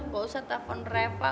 gak usah telepon reva